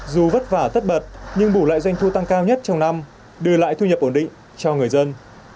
dù vất vả tất bật nhưng đủ loại doanh thu tăng cao nhất trong năm đưa lại thu nhập ổn định cho người dân